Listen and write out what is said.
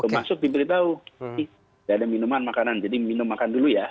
masuk diberitahu tidak ada minuman makanan jadi minum makan dulu ya